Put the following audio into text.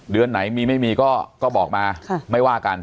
เดือนไหนมีไม่มีก็บอกมาไม่ว่ากัน